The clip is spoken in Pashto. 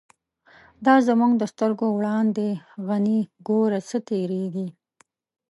دا زمونږ د سترگو وړاندی، «غنی » گوره څه تیریږی